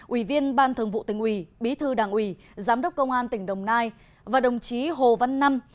ủy viên ban thường vụ tỉnh ủy bí thư đảng ủy giám đốc công an tỉnh đồng nai và đồng chí hồ văn năm